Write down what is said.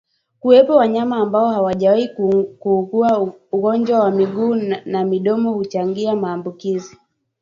Kuwepo wanyama ambao hawajawahi kuugua ugonjwa wa miguu na midomo huchangia maambukizi